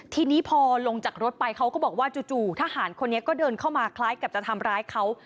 ทีนี้พอลงจากรถไปเขาก็บอกว่าจู่ทหารคนนี้ก็เดินเข้ามาคล้ายกับจะทำร้ายเขา